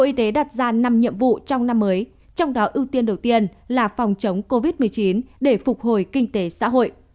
bộ y tế đặt ra năm nhiệm vụ trong năm mới trong đó ưu tiên đầu tiên là phòng chống covid một mươi chín để phục hồi kinh tế xã hội